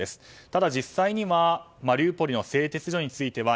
ただ、実際にはマリウポリの製鉄所については